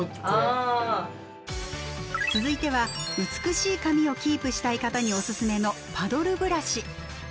続いては美しい髪をキープしたい方におすすめのパドルブラシ。